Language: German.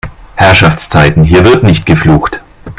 Herrschaftszeiten, hier wird nicht geflucht!